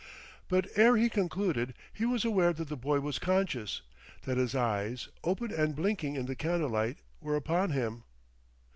But ere he concluded he was aware that the boy was conscious, that his eyes, open and blinking in the candlelight, were upon him.